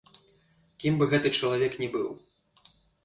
Кім бы гэты чалавек не быў.